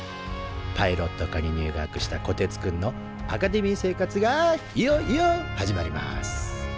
パイロット科に入学したこてつくんのアカデミー生活がいよいよ始まります